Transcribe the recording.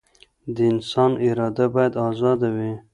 د انسان اراده بايد ازاده وي.